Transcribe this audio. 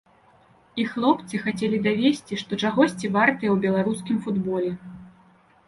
І хлопцы хацелі давесці, што чагосьці вартыя ў беларускім футболе.